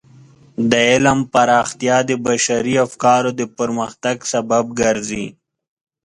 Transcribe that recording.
د علم پراختیا د بشري افکارو د پرمختګ سبب ګرځي.